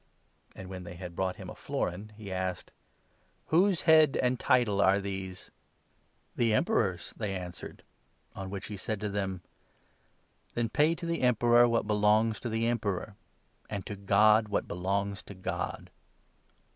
And, when they had brought him a florin, he asked : 20 " Whose head and title are these ?" 18 Enoch 10. 4. 84 MATTHEW, 22. "The Emperor's," they answered: on which he said to 21 them : "Then pay to the Emperor what belongs to the Emperor, and to God what belongs to God."